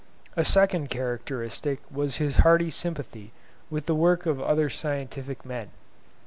A second characteristic was his hearty sympathy with the work of other scientific men.